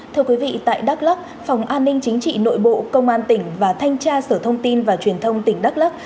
thưa quý vị tại đắk lắc phòng an ninh chính trị nội bộ công an tỉnh và thanh tra sở thông tin và truyền thông tỉnh đắk lắc